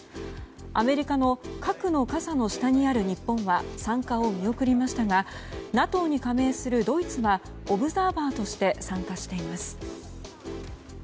アメリカの核の傘の下にある日本は参加を見送りましたがＮＡＴＯに加盟するドイツはオブザーバーとして参加しています。